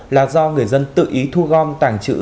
là do người dân tự ý thu gom tàng trữ